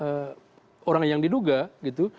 masuk komputernya orang yang diduga gitu